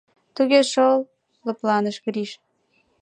- Туге шол, - лыпланыш Гриш.